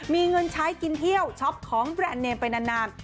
มีเงินใช้กินเที่ยวช็อปของแบรนด์เนมไปนาน